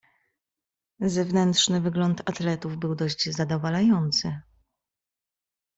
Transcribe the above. "Zewnętrzny wygląd atletów był dość zadowalający."